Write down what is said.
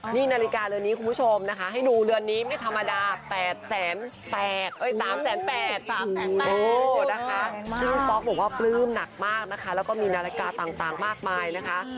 นี่นาฬิกาเรือนนี้คุณผู้ชมนะคะให้ดูเรือนนี้ไม่ธรรมดา